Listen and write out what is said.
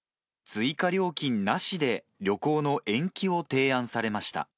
追加料金なしで、旅行の延期を提案されました。